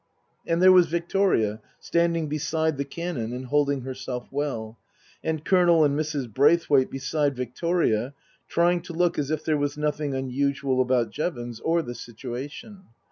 And there was Victoria standing beside the Canon and holding herself well, and Colonel and Mrs. Braithwaite beside Victoria, trying to look as if there was nothing unusual about Jevons or the situation.